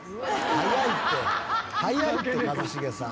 早いって一茂さん。